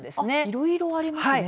いろいろありますね。